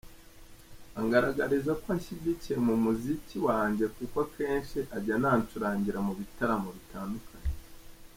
Angaragariza ko anshyigikiye mu muziki wanjye kuko akenshi ajya anancurangira mu bitaramo bitandukanye”.